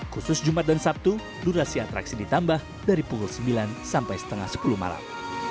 khusus jumat dan sabtu durasi atraksi ditambah dari pukul sembilan sampai setengah sepuluh malam